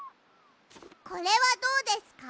これはどうですか？